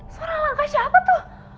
suara langkah siapa tuh